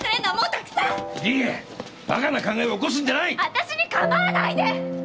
私に構わないで！